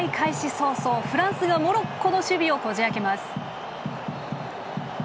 早々、フランスがモロッコの守備をこじ開けます。